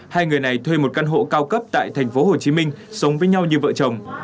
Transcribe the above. hai người này thuê một căn hộ cao cấp tại thành phố hồ chí minh sống với nhau như vợ chồng